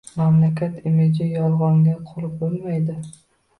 Mamlakat imijini «yolg‘on»ga qurib bo‘lmaydi